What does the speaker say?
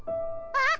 あっ。